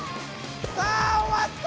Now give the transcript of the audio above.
さあおわった！